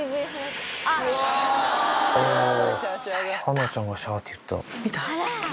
ハナちゃんがしゃーって言った。